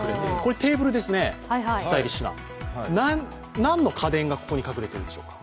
テーブルですね、スタイリッシュな何の家電がここに隠れているでしょう？